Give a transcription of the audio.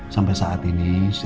sampai saat ini